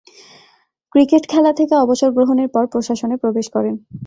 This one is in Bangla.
ক্রিকেট খেলা থেকে অবসর গ্রহণের পর প্রশাসনে প্রবেশ করেন।